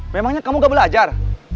memangnya kamu gak belajar